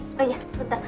oh iya sebentar